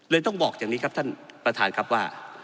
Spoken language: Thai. ต้องบอกอย่างนี้ครับท่านประธานครับว่า